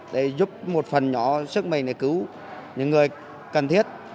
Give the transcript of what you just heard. để giúp một phần nhỏ sức mình để cứu những người cần thiết